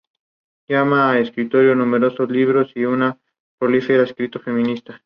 Varios de sus trabajos conmemoran este activismo africano.